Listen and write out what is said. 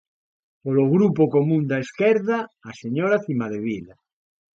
Polo Grupo Común da Esquerda, a señora Cimadevila.